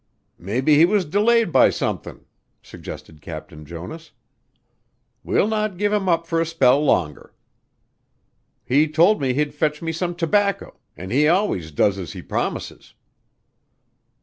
"Mebbe he was delayed by somethin'," suggested Captain Jonas. "We'll not give him up fur a spell longer. He told me he'd fetch me some tobacco, an' he always does as he promises."